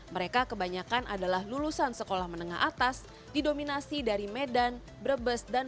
dua ribu dua puluh tiga mereka kebanyakan adalah lulusan sekolah menengah atas didominasi dari medan brebes dan